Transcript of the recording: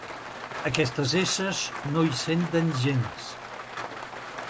Aquestes esses no hi senten gens.